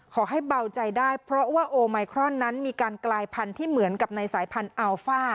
เบาใจได้เพราะว่าโอไมครอนนั้นมีการกลายพันธุ์ที่เหมือนกับในสายพันธุ์อัลฟ่า